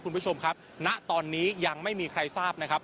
คุณผู้ชมครับณตอนนี้ยังไม่มีใครทราบนะครับ